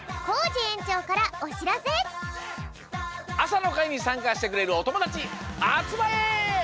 あさのかいにさんかしてくれるおともだちあつまれ！